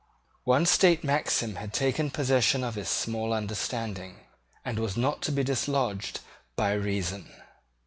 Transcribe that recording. One state maxim had taken possession of his small understanding, and was not to be dislodged by reason.